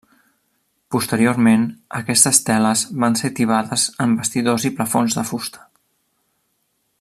Posteriorment, aquestes teles van ser tibades en bastidors i plafons de fusta.